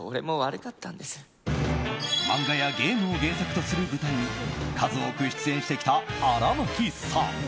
漫画やゲームを原作とする舞台に数多く出演してきた荒牧さん。